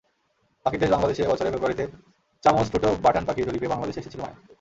পাখির দেশ বাংলাদেশএ বছরের ফেব্রুয়ারিতে চামচঠুঁটো বাটান পাখির জরিপে বাংলাদেশে এসেছিল মায়া।